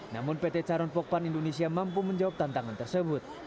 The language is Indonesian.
namun pt caron pokpan indonesia mampu menjawab tantangan tersebut